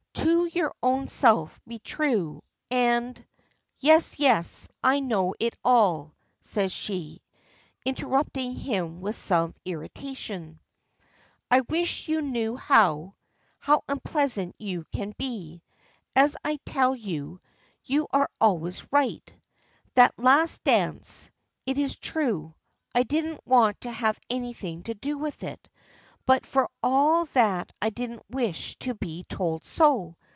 "To your own self be true, And " "Yes, yes; I know it all," says she, interrupting him with some irritation. "I wish you knew how how unpleasant you can be. As I tell you, you are always right. That last dance it is true I didn't want to have anything to do with it; but for all that I didn't wish to be told so.